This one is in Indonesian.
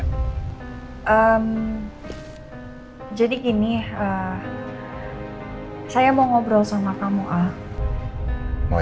ehm jadi gini saya mau ngobrol sama kamu al